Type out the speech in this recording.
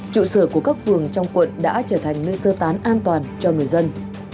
trụ sở của các phường trong quận đã trở thành nơi sơ tán an toàn cho người dân